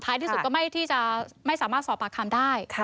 ที่สุดก็ไม่ที่จะไม่สามารถสอบปากคำได้